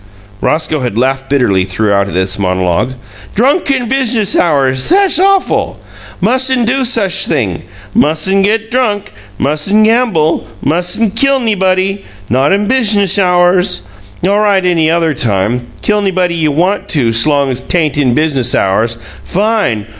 Roscoe had laughed bitterly throughout this monologue. "Drunk in business hours! Thass awf'l! Mus'n' do such thing! Mus'n' get drunk, mus'n' gamble, mus'n' kill 'nybody not in business hours! All right any other time. Kill 'nybody you want to 's long 'tain't in business hours! Fine!